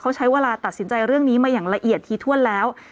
เขาใช้เวลาตัดสินใจเรื่องนี้มาอย่างละเอียดทีถ้วนแล้ว